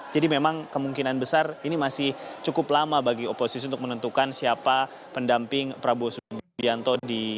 jadi memang kemungkinan besar ini masih cukup lama bagi oposisi untuk menentukan siapa pendamping prabowo subianto